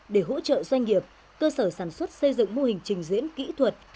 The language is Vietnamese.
để hỗ trợ doanh nghiệp cơ sở sản xuất xây dựng mô hình trình diễn kỹ thuật